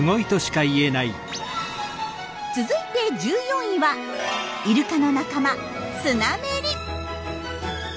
続いて１４位はイルカの仲間スナメリ。